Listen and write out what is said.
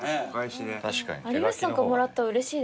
有吉さんからもらったらうれしいです。